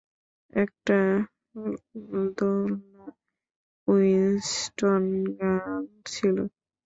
একটা দোনলা Winston gun ছিল।